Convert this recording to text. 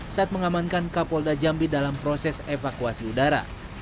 saat mengamankan kapolda jambi dalam proses evakuasi udara